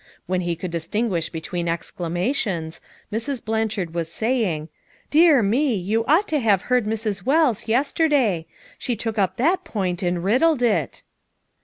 When he could distinguish between exclamations, Mrs. Blanchard was saying: "Dear me! you ought to have heard Mrs. Wells yesterday; she took up that point and riddled it."